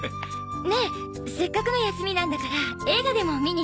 ねえせっかくの休みなんだから映画でも見に行かない？